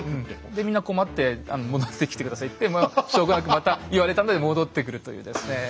でみんな困って戻ってきて下さいってまあしょうがなくまた言われたんで戻ってくるというですね。